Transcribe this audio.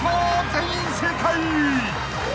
全員正解！］